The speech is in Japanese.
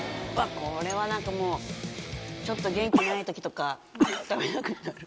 これは何かもうちょっと元気ない時とか食べたくなる。